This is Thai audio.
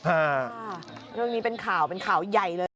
เรื่องนี้เป็นข่าวเป็นข่าวใหญ่เลย